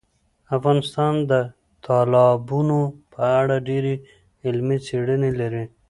افغانستان د تالابونو په اړه ډېرې علمي څېړنې لري.